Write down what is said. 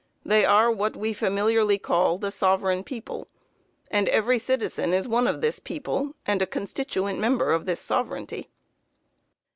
They are what we familiarly call the sovereign people, and every citizen is one of this people, and a constituent member of this sovereignty."